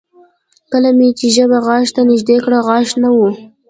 کله مې چې ژبه غاښ ته نږدې کړه غاښ نه و